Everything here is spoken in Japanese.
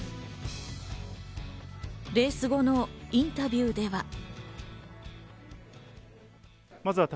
レース後のインタビューでは。